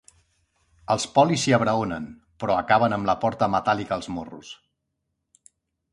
Els polis s'hi abraonen, però acaben amb la porta metàl·lica als morros.